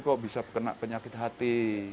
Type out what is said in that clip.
kok bisa kena penyakit hati